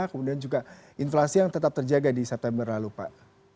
kemudian juga inflasi yang tetap terjaga di september lalu pak